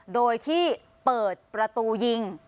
โดยที่เปิดประตูยิง